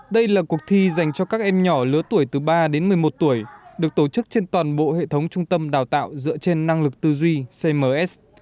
đây là cuộc thi dành cho các em nhỏ lứa tuổi từ ba đến một mươi một tuổi được tổ chức trên toàn bộ hệ thống trung tâm đào tạo dựa trên năng lực tư duy cms